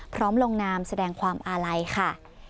ลงนามแสดงความอาลัยค่ะ